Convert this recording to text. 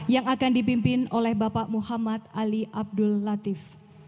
yang akan dipimpin oleh bapak muhammad ali abdul latif